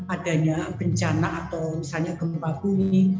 adanya bencana atau misalnya gempa bumi